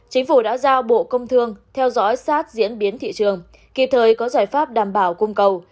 chính phủ đã giao bộ công thương theo dõi sát diễn biến thị trường kịp thời có giải pháp đảm bảo cung cầu